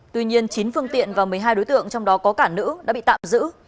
tuy nhiên chín phương tiện và một mươi hai đối tượng trong đó có cả nữ đã bị tạm giữ